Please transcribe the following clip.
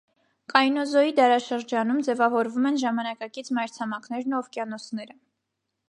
Կայնոզոյի դարաշրջանում ձևավորվում են ժամանակակից մայր ցամաքներն ու օվկիանոսները։